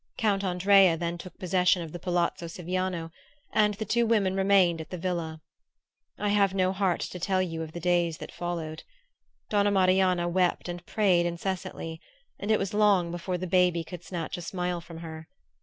Count Andrea then took possession of the palazzo Siviano, and the two women remained at the villa. I have no heart to tell you of the days that followed. Donna Marianna wept and prayed incessantly, and it was long before the baby could snatch a smile from her.